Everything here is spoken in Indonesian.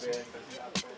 paprika yang dipanen